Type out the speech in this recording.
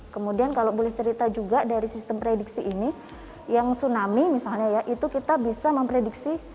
menghasilkan prediksi yang tepat akan melakukan semangat yang hearingzelf tidak terus terjadi